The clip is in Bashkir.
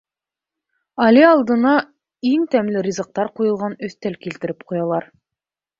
Али алдына иң тәмле ризыҡтар ҡуйылған өҫтәл килтереп ҡуялар.